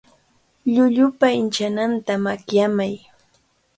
Llullupa inchananta makyamay.